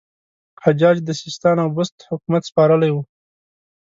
حجاج د سیستان او بست حکومت سپارلی وو.